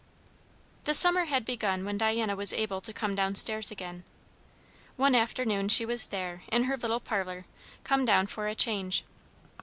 The summer had begun when Diana was able to come down stairs again. One afternoon she was there, in her little parlour, come down for a change.